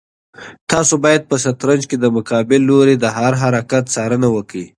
تاسو باید په شطرنج کې د مقابل لوري د هر حرکت څارنه وکړئ.